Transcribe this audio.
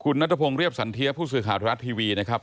คุณนัทพงศ์เรียบสันเทียผู้สื่อข่าวทรัฐทีวีนะครับ